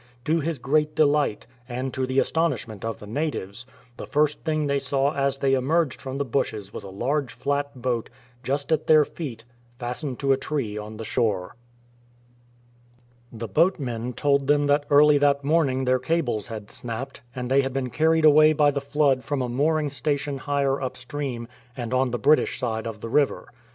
To his great delight, and to the astonishment of the natives, the first thing they saw as they emerged from the bushes was a large flat boat, just at their feet, fastened to a tree on the shore. The boatmen told them that early that morning their cables had snapped, and they had been carried away by the flood from a mooring station higher upstream and on the British side of the river.